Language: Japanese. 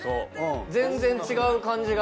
全然違う感じが。